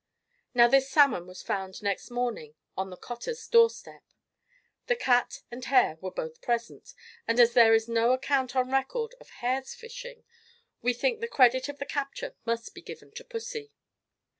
Now, this salmon was found next morning on the cottar's door step. The cat and hare were both present; and as there is no account on record of hares fishing, we think the credit of the capture must be given to pussy.